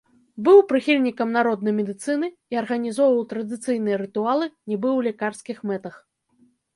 Быў прыхільнікам народнай медыцыны і арганізоўваў традыцыйныя рытуалы нібы ў лекарскіх мэтах.